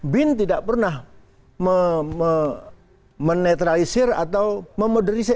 bin tidak pernah menetralisir atau memodernisir